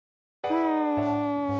うん。